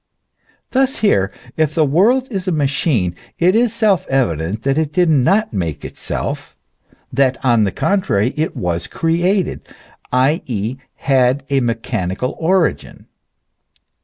Thus here ; if the world is a machine, it is self evident that it did not make itself, that on the contrary it was created, i. e., had a me chanical origin.